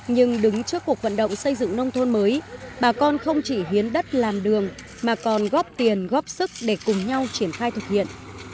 nhưng đứng trước cuộc vận động xây dựng nông thôn mới bà con không chỉ hiến đất làm đường mà còn góp tiền góp sức để cùng nhau triển khai thực hiện